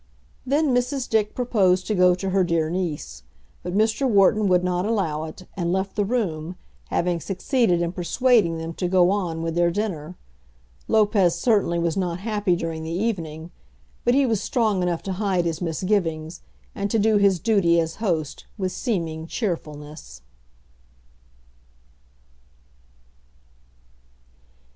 Then Mrs. Dick proposed to go to her dear niece; but Mr. Wharton would not allow it, and left the room, having succeeded in persuading them to go on with their dinner. Lopez certainly was not happy during the evening, but he was strong enough to hide his misgivings, and to do his duty as host with seeming cheerfulness.